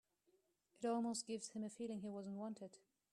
It almost gives him a feeling he wasn't wanted.